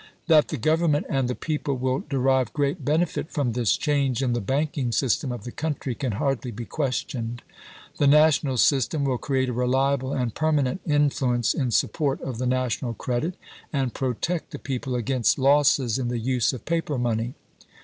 That the Government and the people will derive great benefit from this change in the banking system of the country can hardly be questioned. The national system will create a reliable and permanent in fluence in support of the national credit, and protect the people against losses in the use of paper money.